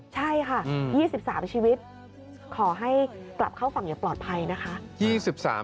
ใช่ค่ะ๒๓ชีวิตขอให้กลับเข้าฝั่งอย่างปลอดภัยนะคะ